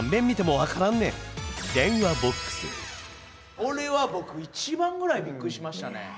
これは僕一番ぐらいびっくりしましたね